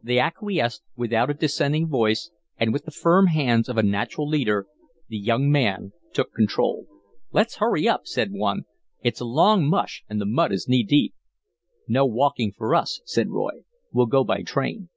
They acquiesced without a dissenting voice and with the firm hands of a natural leader the young man took control. "Let's hurry up," said one. "It's a long 'mush' and the mud is knee deep." "No walking for us," said Roy. "We'll go by train."